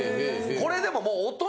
これでももう。